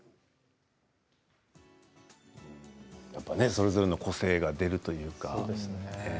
それぞれの個性が出るというか。